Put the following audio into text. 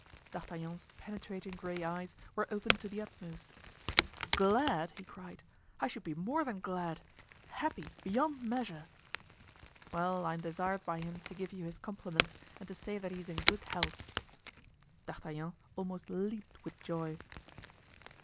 D'Artagnan's penetrating gray eyes were opened to the utmost. "Glad!" he cried; "I should be more than glad! Happy—beyond measure!" "Well, I am desired by him to give you his compliments and to say that he is in good health." D'Artagnan almost leaped with joy.